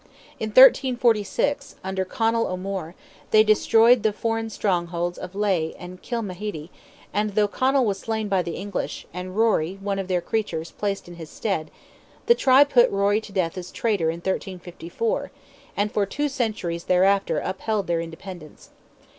In 1346, under Conal O'Moore, they destroyed the foreign strongholds of Ley and Kilmehedie; and though Conal was slain by the English, and Rory, one of their creatures, placed in his stead, the tribe put Rory to death as a traitor in 1354, and for two centuries thereafter upheld their independence.